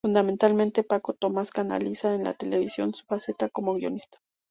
Fundamentalmente, Paco Tomás canaliza en la televisión su faceta como guionista.